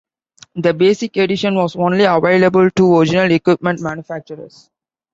The Basic edition was only available to original equipment manufacturers.